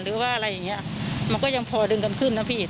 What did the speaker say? หรือว่าอะไรอย่างเงี้ยมันก็ยังพอดึงกันขึ้นนะพี่